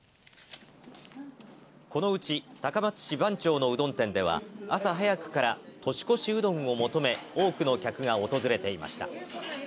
このうち高松市番町のうどん店では、朝早くから年越しうどんを求め、多くの客が訪れていました。